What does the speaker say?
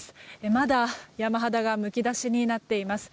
まだ山肌がむき出しになっています。